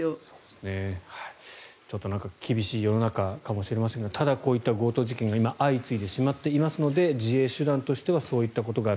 なんか厳しい世の中かもしれませんがただ、こういった強盗事件が相次いでしまっていますので自衛手段としてはそういったことがある。